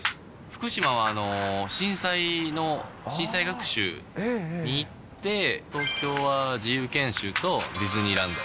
福島は震災学習に行って、東京は自由研修とディズニーランド。